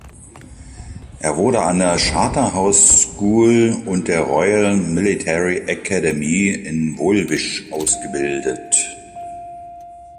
Er wurde an der Charterhouse School und der Royal Military Academy in Woolwich ausgebildet.